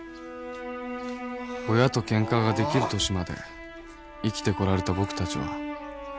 親とケンカができる年まで生きてこられた僕たちは